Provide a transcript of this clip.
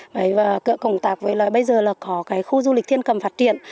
và cỡ công tác với bây giờ là có khu du lịch thiên cầm phát triển